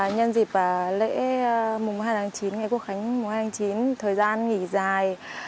nhân dịp lễ mùng hai tháng chín ngày quốc khánh mùng hai tháng chín thời gian nghỉ dài